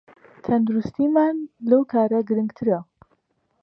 تەندروستیمان لەو کارە گرنگترە